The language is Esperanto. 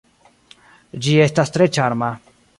Ĝi estas tre ĉarma.